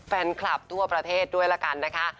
แฟนคลับทั่วประเทศด้วยละกันนะคะ